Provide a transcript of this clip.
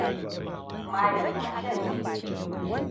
Mayen na shan jini.